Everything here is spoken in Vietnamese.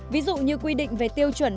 ví dụ như quy định về tiêu chuẩn